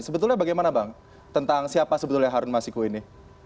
sebetulnya bagaimana bang tentang siapa sebetulnya harun masiku ini